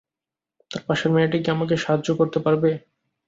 তার পাশের মেয়েটা কি আমাকে সাহায্য করতে পারবে?